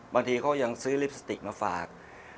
บางทีเขายังซื้อลิปสติกมาฝาก